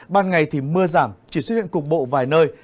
ban ngày thì mưa giảm chỉ xuất hiện cục bộ vài nơi